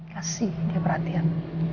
kasih dia perhatian